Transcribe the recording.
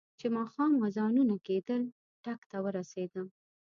چې د ماښام اذانونه کېدل ټک ته ورسېدم.